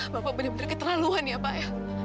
bapak benar benar keterlaluan ya pak ya